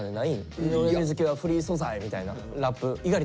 「井上瑞稀はフリー素材」みたいなラップ。